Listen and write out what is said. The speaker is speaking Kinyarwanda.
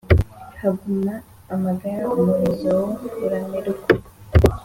Haguma amagara umurizo wo uramerwa